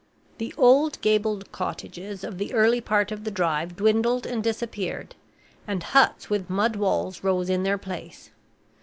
The old gabled cottages of the early part of the drive dwindled and disappeared, and huts with mud walls rose in their place.